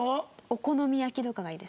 お好み焼きとかがいいです私。